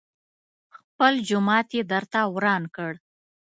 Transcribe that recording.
خپل جومات يې درته وران کړ.